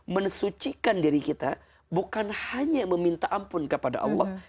mensucikan diri kita bukan hanya meminta ampun kepada allah